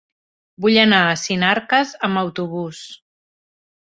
Vull anar a Sinarques amb autobús.